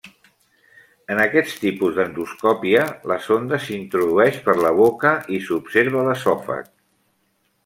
En aquest tipus d'endoscòpia la sonda s'introdueix per la boca i s'observa l'esòfag.